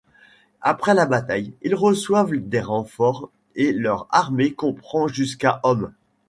Après la bataille, ils reçoivent des renforts et leur armée comprend jusqu'à hommes.